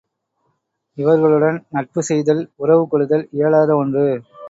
இவர்களுடன் நட்புச் செய்தல் உறவு கொள்ளுதல் இயலாத ஒன்று.